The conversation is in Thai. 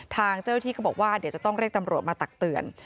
ทางเจ้าที่ก็บอกว่าเดี๋ยวจะต้องเรียกตำรวจมาตักเตือน